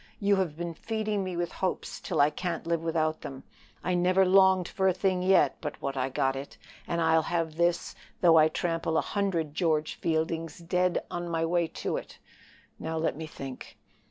You have been feeding me with hopes till I can't live without them. I never longed for a thing yet but what I got it, and I'll have this though I trample a hundred George Fieldings dead on my way to it. Now let me think."